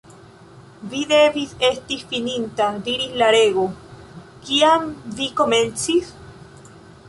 "Vi devis esti fininta," diris la Rego, "Kiam vi komencis?"